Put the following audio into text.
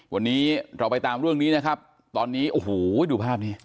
วันนี้เราไปตามเรื่องนี้นะครับตอนนี้โอ้โหดูภาพนี้